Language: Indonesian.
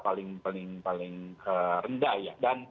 paling paling rendah ya